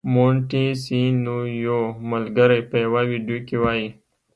مونټیسینویو ملګری په یوه ویډیو کې وايي.